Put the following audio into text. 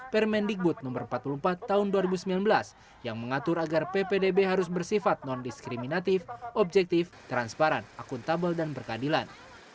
permendikbud no empat puluh empat tahun dua ribu sembilan belas yang mengatur agar ppdb harus bersifat non diskriminatif objektif transparan akuntabel dan berkeadilan